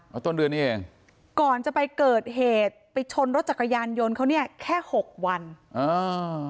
เอาต้นเดือนนี้เองก่อนจะไปเกิดเหตุไปชนรถจักรยานยนต์เขาเนี่ยแค่หกวันอ่า